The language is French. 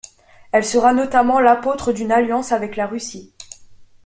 Elle sera notamment l’apôtre d’une alliance avec la Russie.